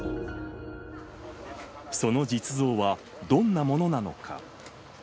その実像は、どんなものなのか。